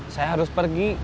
saya harus pergi